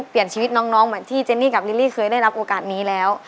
เปลี่ยนชีวิตน้องเหมือนที่เจนี่กับลิลลี่เคยได้รับโอกาสนี้แล้ว